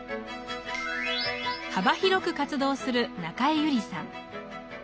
幅広く活動する中江有里さん。